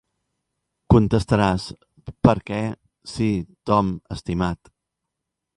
Contestaràs "per què, sí, Tom, estimat".